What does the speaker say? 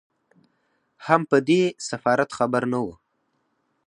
هم په دې سفارت خبر نه وو.